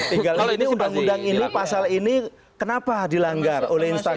tinggal ini undang undang ini pasal ini kenapa dilanggar oleh instansi